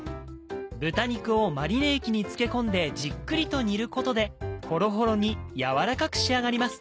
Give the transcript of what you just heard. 豚肉をマリネ液に漬け込んでじっくりと煮ることでホロホロに軟らかく仕上がります。